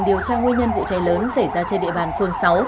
điều tra nguyên nhân vụ cháy lớn xảy ra trên địa bàn phường sáu